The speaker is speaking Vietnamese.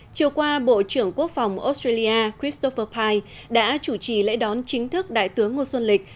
chiều qua bộ trưởng quốc phòng australia christopher pi đã chủ trì lễ đón chính thức đại tướng ngô xuân lịch